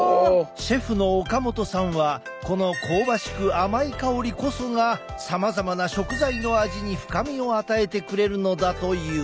シェフの岡元さんはこの香ばしく甘い香りこそがさまざまな食材の味に深みを与えてくれるのだという。